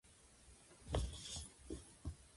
やはり俺の青春ラブコメはまちがっている